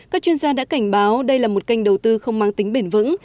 các chuyên gia đã cảnh báo đây là một kênh đầu tư không mang tính bền vững